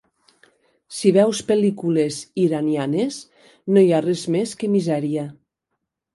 Si veus pel·lícules iranianes no hi ha res més que misèria.